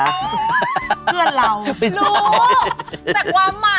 เพื่อนเราน่ะนะคะอย่างนั้นนะครับไม่ใช่